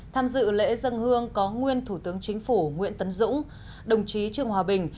tham dự lễ dâng hương có nguyên thủ tướng chính phủ nguyễn tấn dũng đồng chí trường hòa bình